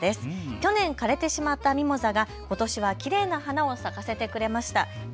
去年、枯れてしまったミモザがことしはきれいな花を咲かせてくれました。